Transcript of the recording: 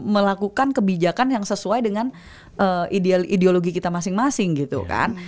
melakukan kebijakan yang sesuai dengan ideologi kita masing masing gitu kan